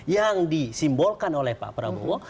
yang disimbolkan oleh pak prabowo